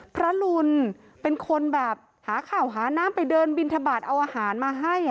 ลุนเป็นคนแบบหาข่าวหาน้ำไปเดินบินทบาทเอาอาหารมาให้